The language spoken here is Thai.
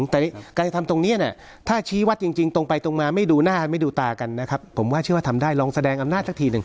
แต่การจะทำตรงนี้เนี่ยถ้าชี้วัดจริงตรงไปตรงมาไม่ดูหน้าไม่ดูตากันนะครับผมว่าเชื่อว่าทำได้ลองแสดงอำนาจสักทีหนึ่ง